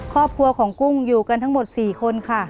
ครอบครัวของกุ้งอยู่กันทั้งหมด๔คนค่ะ